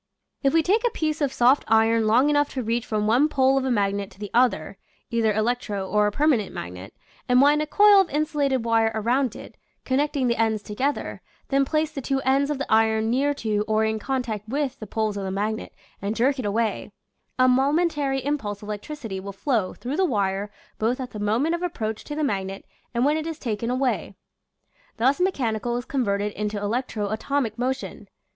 If we take a piece of soft iron long enough to reach from one pole of a magnet to the other (either electro or permanent magnet) and wind a coil of insulated wire around it, connecting the ends together, then place the two ends of the iron near to or in contact with (~~|, Original from :{<~ UNIVERSITY OF WISCONSIN Generation of t»eat. 141 the poles of the magnet and jerk it away, a momentary impulse of electricity will flow through the wire both at the moment of ap proach to the magnet and when it is taken away: thus mechanical is converted into electro atomic motion.